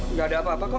nggak ada apa apa kok